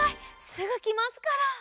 すぐきますから。